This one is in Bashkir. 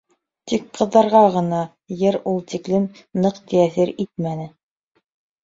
Тик ҡыҙҙарға ғына йыр ул тиклем ныҡ тәьҫир итмәне.